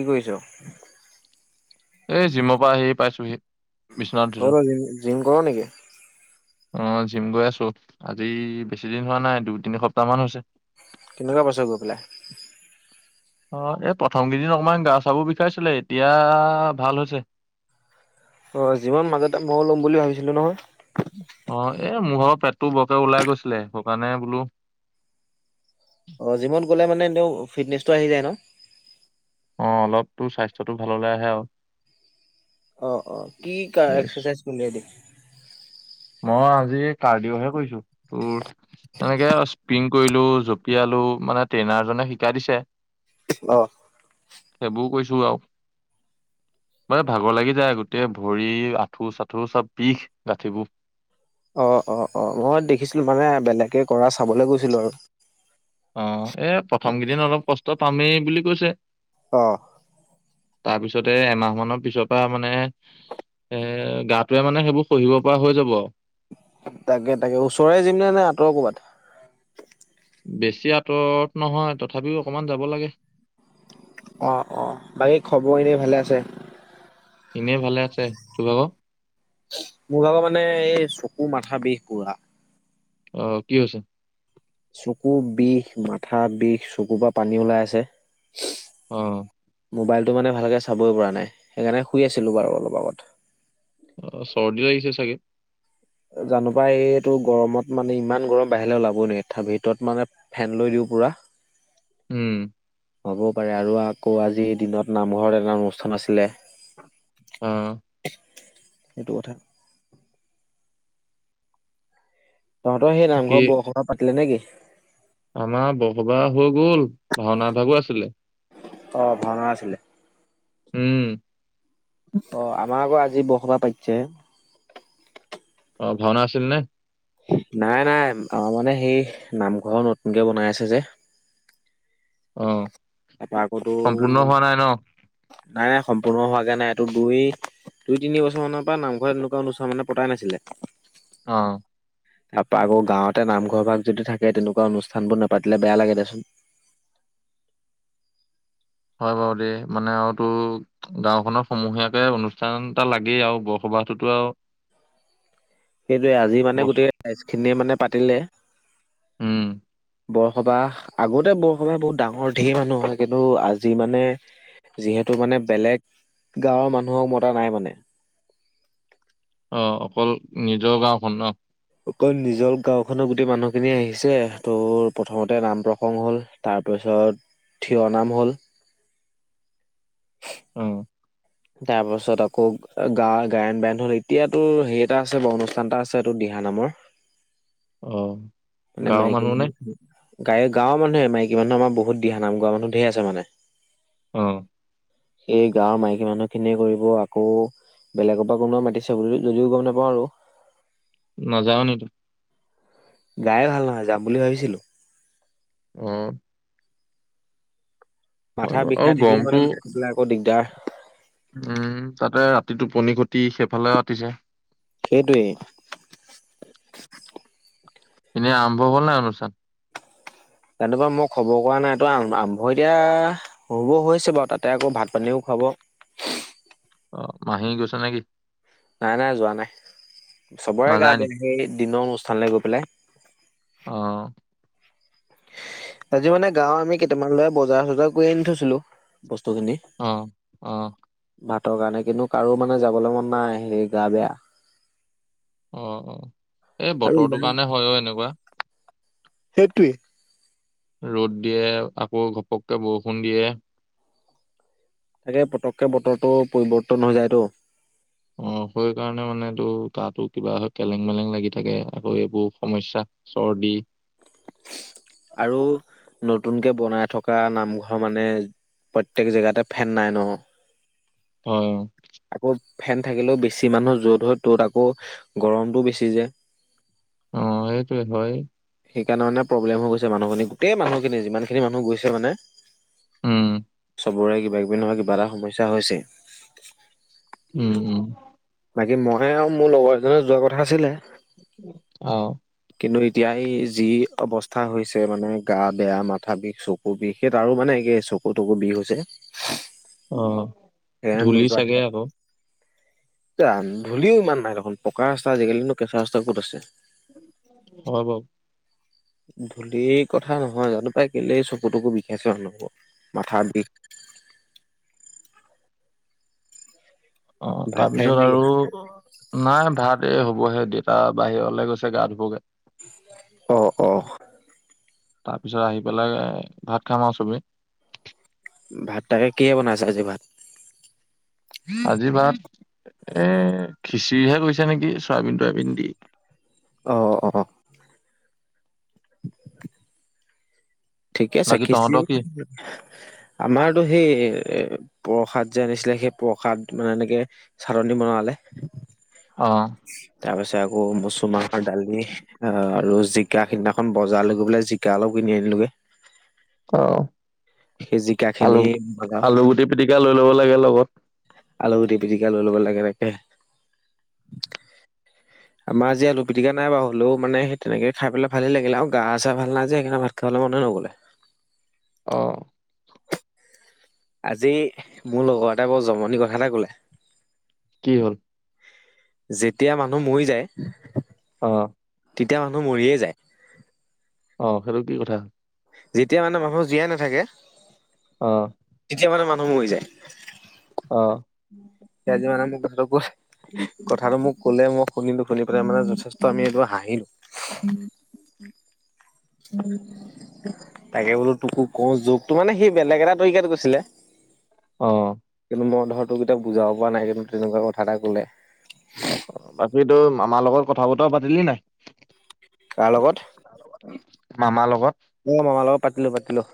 কি কৰিছ? এই জিমৰ পৰা আহি পাইছোঁহি বিচনাত উঠিছোঁ। অ' জিম জিম কৰ নেকি? অ' জিম গৈ আছোঁ, আজি বেছি দিন হোৱা নাই দুই, তিনি সপ্তাহ মান হৈছে। কেনেকুৱা পাইছা গৈ পেলাই? অ' এই প্ৰথম কেইদিন অকমান গা চা বোৰ বিষাইছিলে, এতিয়া ভাল হৈছে। অ' জিমৰ মাজতে মইয়ো ল'ম বুলি ভাবিছিলোঁ নহয়। অ' এ মোৰ ভাগৰ পেটতো বৰকে ওলাই গৈছিলে, সেইটো কাৰণে বোলোঁ। অ' জিমত গ'লে মানে এনেও ফিটনেছটো আহি যায় ন। অ' অলপ তোৰ স্বাস্থ্যটো ভাললে আহে আৰু। অ' অ' কি কাৰ এই এক্সাৰচাইজ কোনে দিয়ে? মই আজি কাৰ্ডিঅ'হে কৰিছোঁ, তোৰ এনেকে স্পিং কৰিলোঁ, জঁপিয়ালো মানে ট্ৰেইনাৰ জনে শিকাই দিছে। অ'হ সেইবোৰ কৰিছোঁ আৰু। মানে ভাগৰ লাগি যায় গোটেই ভৰি আঁঠু-চাঠু চব বিষ গাঁঠিবোৰ। অ' অ' অ' মই দেখিছিলোঁ মানে বেলেগে কৰা চাবলৈ গৈছিলোঁ আৰু। অ' এ প্ৰথম কেইদিন অলপ কষ্ট পামেই বুলি কৈছে। অ' তাৰ পিছতে এমাহ মানৰ পিছৰ পৰা মানে এ গাটোৱে মানে সেইবোৰ সহিব পৰা হৈ যাব আৰু। তাকে-তাকে ওচৰৰে জিমনে নে আঁতৰ ক'ৰবাত? বেছি আঁতৰত নহয়, তথাপিও অকমান যাব লাগে। অ' অ' বাকী খবৰ এনেই ভালে আছে? এনেই ভালে আছে। তোৰ ভাগৰ? মোৰ ভাগৰ মানে এই চকু, মাথা বিষ পোৰা। অ' কি হৈছে? চকু বিষ, মাথা বিষ, চকুৰ পৰা পানী ওলাই আছে। অ' মোবাইলটো মানে ভালকে চাবই পৰা নাই, সেইকাৰণে শুই আছিলোঁ বাৰু অলপ আগত। অ' চৰ্দি লাগিছে চাগে? জানোঁ পাই এইটো গৰমত মানে ইমান গৰম বাহিৰে ওলাবই নোৱাৰি। তাৰ ভিতৰত মানে ফেন লৈ দিওঁ পুৰা। উম' হ'বও পাৰে আৰু আকৌ আজিৰ দিনত নামঘৰত এটা অনুষ্ঠান আছিলে। অ' সেইটো কথা। তহঁতৰ সেই কি নামঘৰ বৰসবাহ পাতিলে নে কি? আমাৰ বৰসবাহ হৈ গ'ল, ভাওনা এভাগো আছিলে। অ' ভাওনা আছিলে। উম' অ' আমাৰ আকৌ আজি বৰসবাহ পাতিছেহে। অ ভাওনা আছিল নে? নাই নাই আমাৰ মানে সেই নামঘৰ নতুনকে বনাই আছে যে, অ তাৰপা আকৌ তো সম্পূৰ্ণ হোৱা নাই ন। নাই নাই সম্পূৰ্ণ হোৱাগে নাই এইটো দুই, দুই তিনি বছৰ মানৰ পৰা নামঘৰত এনেকুৱা অনুষ্ঠান মানে পতাই নাছিলে। অ, তাৰপা আকৌ গাঁৱতে নামঘৰ ভাগ যদি থাকে, তেনেকুৱা অনুষ্ঠানবোৰ নেপাতিলে বেয়া লাগে দেচোন। হয় বাৰু দেই মানে আৰুতো, গাও খনৰ সমূহীয়াকে অনুষ্ঠান এটা লাগেই আৰু বৰসবাহটোতো আৰু। সেইটোৱে আজি মানে বস গোটেই ৰাইজ খিনিয়ে মানে পাতিলে। উম, বৰসবাহ আগতে বৰসবাহ বহুত ডাঙৰ ধেৰ মানুহ হয়। কিন্তু আজি মানে, যিহেতু মানে বেলেগ গাঁৱৰ মানুহক মতা নাই মানে। অ অকল নিজৰ গাওঁখনৰ ন। অকল নিজৰ গাওঁখনৰ গোটেই মানুহখিনি আহিছে, তোৰ প্ৰথমতে নাম প্ৰসংগ হ'ল। তাৰপিছত থিয় নাম হ'ল। উম। তাৰ পাছত আকৌ গাৱৰ গায়ন বায়ন হল, এতিয়াতো হেই এটা আছে বাও অনুষ্ঠান এটা আছে এইটো দিহা নামৰ। অ, গাঁৱৰ মাইকী নে মানুহ গাই গাঁৱৰ মানুহে মইকী মানুহ আমাৰ বহুত দিহানাম মানুহ ধেই আছে মানে। অ এই গাৱৰ মাইকী মানুহ খিনিয়ে কৰিব আকৌ, বেলেগৰ পৰা কোনোবা মাতিছে, বুলি যদিও গম নাপাওঁ আৰু। নাযাও নেকি? গায়ে ভাল নহয়, যাম বুলি ভাবিছিলো। উম। হয় মাথা বাৰু আৰু বিষাই থাকিলে গৰমটো মানে সিফালে আকৌ দিগদাৰ। উম তাতে ৰাতি টোপনি খটি সেইফালে আতিছে। সেইটোৱেই। এনেই আৰম্ভ হল নাই অনুষ্ঠান? জানোৱা মই খবৰ কৰা নাই। তই আৰম্ভ এতিয়া, হ'ব হৈছে বাৰু তাতে আকৌ ভাত পানীও খুৱাব। অ মাহী গৈছে নেকি? নাই নাই যোৱা নাই চবৰে গা নাযায় নি বেয়া, সেই দিনৰ অনুষ্ঠানলৈ গৈ পেলাই। অ, আজি মানে গাঁওৰ আমি কেইটামান ল'ৰাই বজাৰ চজাৰ কৰি আনি থৈছিলো বস্তুখিনি, অহ অহ। ভাতৰ কাৰণে কিন্তু কাৰো মানে যাবলৈ মন নাই হে গা বেয়া। অ অঁ এই বতৰটো কাৰণে হয় অ এনেকুৱা। সেইটোৱেই। ৰ'দ দিয়ে আকৌ ঘপককে বৰষুণ দিয়ে। তাকে পতকে বতৰটো পৰিৱৰ্তন হৈ যায়তো। অ', সেই কাৰণে মানেটো গাটো কিবা হয় কেলেং-মেলেং লাগি থাকে, আকৌ এইবোৰ সমস্যা। চৰ্দি। আৰু নতুনকে বনাই থকা নামঘৰ মানে। প্ৰত্যেক জেগাতে ফেন নাই ন'। অ' আকৌ ফেন থাকিলেও বেছি মানুহৰ য'ত হয় ত'ত আকৌ গৰমটো বেছি যে। অ', সেইটোৱে হয়',। সেইকাৰণে মানে প্ৰব্লেম হয় গৈছে। মানুহ খিনি, গোটেই মানুহ খিনি যিমানখিনি মানুহ গৈছে মানে। উম', চবৰে কিবা কিবি নহয় কিবা এটা সমস্যা হৈছে। উম', উম', বাকী মইহে আৰু মোৰ লগৰ এজনে যোৱা কথা আছিলে। অ', কিন্তু এতিয়া এই যি অৱস্থা হৈছে মানে গা বেয়া মাথা বিষ চুক। বিষে তাৰো মানে একেই চকু-তকু বিষ হৈছে। অ', সেইকাৰণে ধূলি চাগে আকৌ। এৰা ধূলিও ইমান নাই দেখোন পকা ৰাস্তা আজিকালি কেঁচা ৰাস্তা ক'ত আছে। হয়', বাৰু। ধূলি কথা নহয় জানো পাই কেলে চকু-তকু বিষাইছে হব মাথা বিষ। অ', ভাত খাই তাৰপিছত নেকি? আৰু। নাই ভাত এ' হ'বহে দেউতা বাহিৰলে গৈছে গা ধুবগৈ। অ', অ', তাৰ পিছত আহি পেলাই ভাত খাম আৰু চবেই। ভাত তাকে কিহে বনাইছে আজি ভাত? আজি ভাত এ' খিচিৰিহে কৈছে নেকি চৰায়বিন-তৰায়বিন দি। অ', অ', অ',। [unintelligible] ঠিকে আছে বাকী তহঁতৰ কি খিচিৰ। আমাৰতো সেই প্ৰসাদ যে আনিছিলে, সেই প্ৰসাদ মানে এনেকে। চাতনী বনালে। অ', তাৰ পাছত আকৌ মচু মাহৰ দালি। অ', আৰু জিকা সিদিনাখন বজাৰ লৈ পেলে জিকা অলপ কিনি আনিলো গে। অ', সেই জিকা খিনি আলু- বনাও আলু গুটি পিটিকা লৈ ল'ব লাগে লগত। আলু গুটি পিটিকা লৈ ল'ব লাগে তাকে। [unintelligible] আমাৰ যে আলু পিটিকা নাই বাৰু, হলেও মানে তেনেকে খাই ভালে লাগিলে আৰু গা' চা' ভাল নাই যে সেইকাৰে ভাত খাবলৈ মনে নগ'লে। অহ', আজি মোৰ লগৰ এটা বৰ জমনি কথা এটা কলে। কি হ'ল? যেতিয়া মানুহ মৰি যায়। অ', তেতিয়া মানুহ মৰিয়ে যায়। অ', সেইটো কি কথা। যেতিয়া মানে মানুহ জীয়াই নাথাকে। অ', তেতিয়া মানে মানুহ মৰি যায়। অ', তেজি মানে মোক কথাটো [unintelligible] কথাটো মোক কলে মই শুনিলোঁ। শুনি পেলাই মানে যথেষ্ট আমি এইটো হাঁহিলো। [unintelligible] তাকে বোলো তোকো কও জক তো, মানে সি বেলেগ এটা তৰিকাত গৈছিলে। অ' মই ধৰ তোক এতিয়া বুজাব পৰা নাই কিন্তু তেনেকুৱা কথা এটা ক'লে। বাকী তোৰ মামাৰ লগত কথা বতৰা পাতিলি নাই। কাৰ লগত [inaudible] মামাৰ লগত। অ' মামাৰ লগত পাতিলোঁ পাতিলোঁ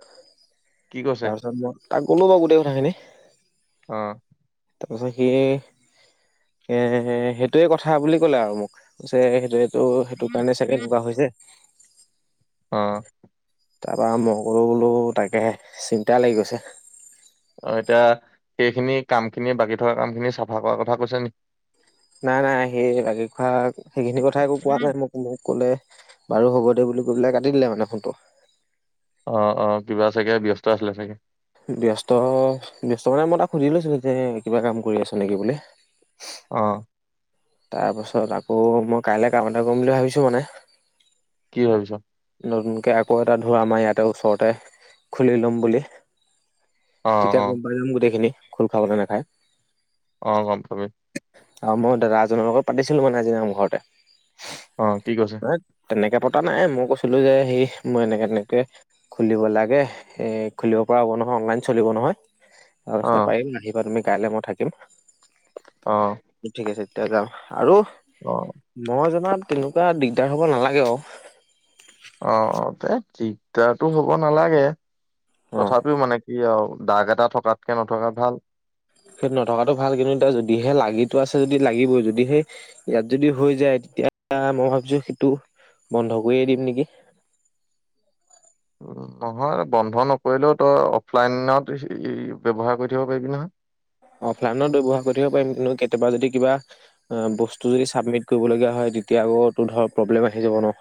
কি কৈছে? তাৰ পিছত মই তাক ক'লো বাৰু গোটেই কথাখিনি। অ'- তাৰ পিছত সি- এ সেইটোয়ে কথা বুলি কলে আৰু মোক যে সেইটোটো সেইটো কাৰণে চাগে এনেকুৱা হৈছে। অ' তাৰপা মই কলো বোলোঁ তাকে, চিন্তা লাগি গৈছে। অ' এতিয়া সেইখিনি কাম খিনি বাকী থকা কাম খিনি চাফা কৰ কথা কৈছে নেকি। নাই নাই সেই বাকী খোৱা সেইখিনি কথা একো কোৱা নাই মোক। মোক ক'লে বাৰু হ'ব দে বুলি কৈ পেলাই কাটি দিলে মানে ফোনটো। অ' অ' কিবা চাগে ব্যস্ত আছিলে চাগে ব্যস্ত ব্যস্ত মানে মই তাক সুধি লৈছোঁ যে কিবা কাম কৰি আছোঁ নেকি বোলে। অ' তাৰপাছত আকৌ মই কাইলৈ কাম এটা কৰিম বুলি ভাবিছোঁ মানে- কি ভাবিছ। নতুনকে আকৌ' এটা ধোৰা আমাৰ ইয়াতে ওচৰতে খুলি লম বুলি। অ', তেতিয়া অ', গম পাই যাম গোটেইখিনি খোল খাব নে নাখায়। অ গম পাবি। অ' মই দাদা এজনৰ লগত পাতিছিলোঁ মানে আজি নামঘৰতে। অ' কি কৈছে। নহয় তেনেকে পতা নাই মই কৈছিলোঁ যে, সেই মই এনেকে তেনেকে। খুলিব লাগে এ খুলিব পৰা হ'ব নহয় অনলাইন চলিব নহয়। অ' কৈছে পাৰিম আহিবা তুমি কাইলে মই থাকিম। অ' ঠিক আছে এতিয়া যাম। আৰু- অ'- মই জনাত তেনেকুৱা দিগদাৰ হব নালাগে আৰু। অ' অ' দে ঠিকে- এতিয়াতো হ'ব নালাগে অ তথাপিও মানে কি আৰু দাগ এটা থকাতকে নথকা ভাল। সেই নথকাতটো ভাল কিন্তু এতিয়া যদিহে লাগিটো আছে যদি লাগিবই যদি হে ইয়াত যদি হৈ যায় তেতিয়া মই ভাবিছোঁ সেইটো বন্ধ কৰিয়ে দিম নেকি। নহয় বন্ধ নকৰিলেও তই অফলাইনত [unintelligible] ব্যৱহাৰ কৰি থাকিব পাৰিবি নহয়। অফলাইনত ব্যৱহাৰ কৰি থাকিব পাৰিম কিন্তু কেতিয়াবা যদি কিবা- অ' বস্তু যদি চাবমিট কৰিবলগীয়া হয় তেতিয়া আকৌ' তোৰ ধৰ প্ৰব্লেম আহি যাব ন।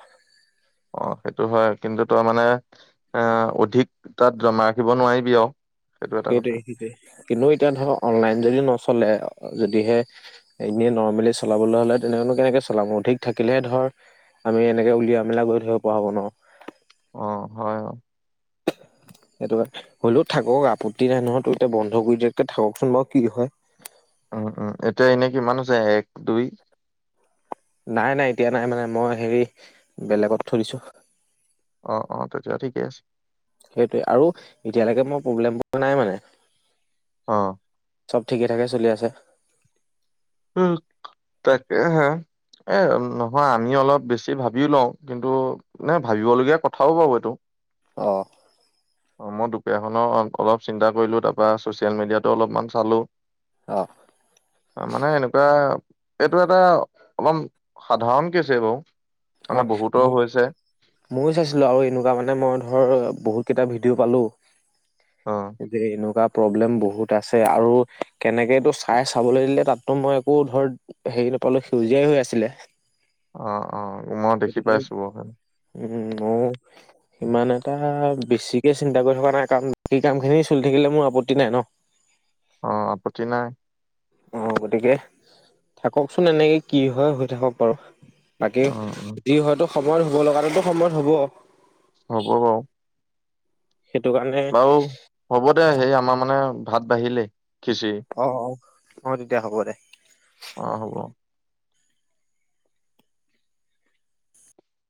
অ সেইটো হয় কিন্তু তই মানে এ অধিক তাত জমা ৰাখিব নোৱাৰিবি আৰু। সেইটো এটা সেইটোৱে কথা সেইটোৱে কিন্তু এতিয়া ধৰক অনলাইন যদি নচলে যদিহে- এনেই নৰ্মেলি চলাবলৈ হ'লে তেনেকনো কেনেকে চলাম অধিক থাকিলে ধৰ, - আমি এনেকে উলিয়াই মেলাই গৈ থাকিব পৰা হব ন। অঁ, হয়। সেইটো হলো থাকক আপত্তি নাই নহয়, ত এতিয়া বন্ধ কৰি দিয়াতকে থাককচোন বাৰু কি হয়। উম উম, এতিয়া এনে কিমান হৈছে এক দুই। নাই নাই এতিয়া নাই মানে মই হেৰি বেলেগত থৈ দিছোঁ। অ অ, তেতিয়া ঠিকে আছে। সেইটোৱে, আৰু এতিয়ালৈকে মই প্ৰব্লেম পোৱা নাই মানে। অঁ। চব ঠিকে ঠাকে চলি আছে। উম, তাকেহে। এ নহয় আমি অলপ বেছি ভাবিও লওঁ। কিন্তু নে ভাবিবলগীয়া কথাও বাৰু এইটো। অঁ। অ মই দুপৰীয়াখনৰ অলপ চিন্তা কৰিলো, তাৰপা চচিয়েল মিডিয়াতো অলপমান চালো। অ। মানে এনেকুৱা এইটো এটা, অকণ সাধাৰণ কেছে বাৰু। বহুতৰ হৈছে [inaudible] ময়ো চাইছিলোঁ আৰু এনেকুৱা মানে মই ধৰ বহুকেইটা ভিডিঅ পালোঁ। অঁ। যে এনেকুৱা প্ৰব্লেম বহুত আছে, আৰু কেনেকে এইটো চাই চাবলৈ দিলে তাততো মই একো ধৰ হেৰি নেপালো, সেউজীয়াই হৈ আছিলে। অঁ অঁ, মই দেখি গতিকে পাইছো বাৰু তাত। উম, ময়ো ইমান এটা বেছি কে চিন্তা কৰি থকা নাই কাৰণ সেই কামখিনি চলি থাকিলে মোৰ আপত্তি নাই ন। অঁ, আপত্তি নাই। অঁ, গতিকে থাককচোন এনেকে কি হয় হৈ থাকক বাৰু। বাকী অ' অ' যি হয়তো সময়ত হ'ব লগাটোতো সময়ত হ'ব। হ'ব বাৰু। সেইটো কাৰণে। বাৰু হ'ব দে, সেই আমাৰ মানে ভাত বাঢ়িলে খিচিৰি। অঁ অঁ, তেতিয়া হ'ব দে। অঁ হ'ব।